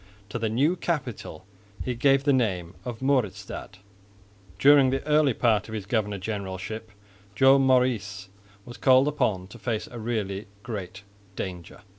To the new capital he gave the name of Mauritsstad. During the earlier part of his governor generalship Joan Maurice was called upon to face a really great danger.